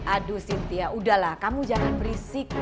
aduh sintia udahlah kamu jangan berisik